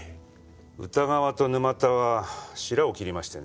宇田川と沼田はしらを切りましてね。